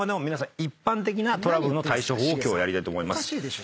一般的なトラブルの対処法を今日はやりたいと思います。